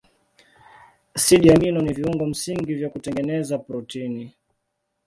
Asidi amino ni viungo msingi vya kutengeneza protini.